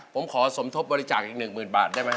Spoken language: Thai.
ผมขอสมทบบริจาคอีก๑๐๐๐บาทได้ไหม